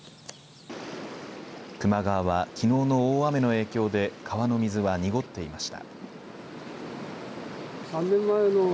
球磨川はきのうの大雨の影響で川の水は濁っていました。